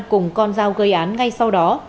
cùng con dao gây án ngay sau đó